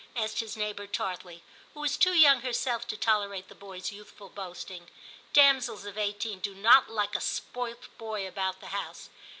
asked his neighbour tartly, who was too young herself to tolerate the boy's youthful boasting ; damsels of eighteen do not like a spoilt boy about the house.